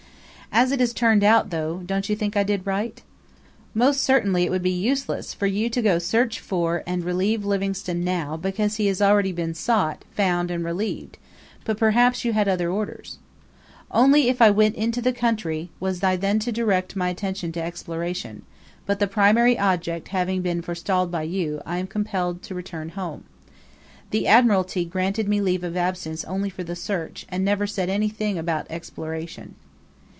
'" "As it has turned out, though, don't you think I did right?" "Most certainly it would be useless for you to go to search for and relieve Livingstone now, because he has already been sought, found, and relieved; but perhaps you had other orders." "Only, if I went into the country, I was then to direct my attention to exploration; but the primary object having been forestalled by you, I am compelled to return home. The Admiralty granted me leave of absence only for the search, and never said anything about exploration."